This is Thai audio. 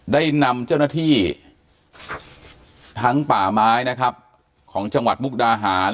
ได้นำเจ้าหน้าที่ทั้งป่าไม้นะครับของจังหวัดมุกดาหาร